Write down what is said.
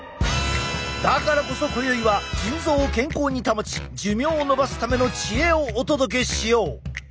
だからこそ今宵は腎臓を健康に保ち寿命を延ばすための知恵をお届けしよう！